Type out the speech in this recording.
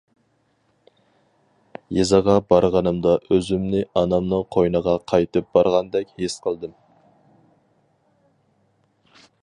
يېزىغا بارغىنىمدا ئۆزۈمنى ئانامنىڭ قوينىغا قايتىپ بارغاندەك ھېس قىلدىم.